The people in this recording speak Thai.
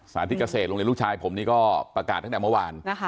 สถานที่กระเสดโรงเรียนลูกชายผมนี้ก็ประกาศกันมาเมื่อวาน